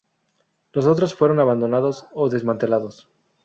Los otros fueron abandonados o desmantelados.